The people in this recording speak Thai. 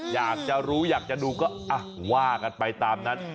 อยากจะรู้อยากจะดูก็ว่ากันไปตามนั้น